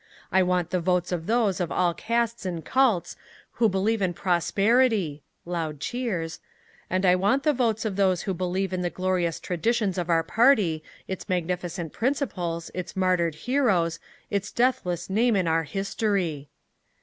I want the votes of those of all castes and cults who believe in prosperity [loud cheers], and I want the votes of those who believe in the glorious traditions of our party, its magnificent principles, its martyred heroes, its deathless name in our history!"